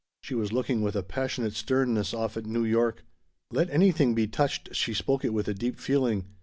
She was looking with a passionate sternness off at New York. "Let anything be touched," she spoke it with deep feeling.